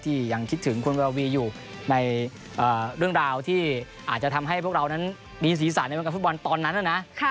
ยังคิดถึงคุณวารวีอยู่ในเรื่องราวที่อาจจะทำให้พวกเรานั้นมีศีรษะในวงการฟุตบอลตอนนั้นนะ